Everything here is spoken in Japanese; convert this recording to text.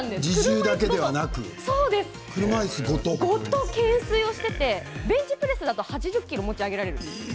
車いすごと懸垂をしていてベンチプレスだと８０ｋｇ持ち上げられる。